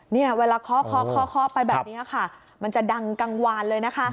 เนี่ยเวลาเคาะไปแบบนี้ค่ะมันจะดังกลางวานเลยนะคะ